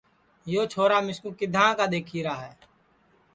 یو چھورا مِسکُو کِدھاں کا دؔیکھیرا ہے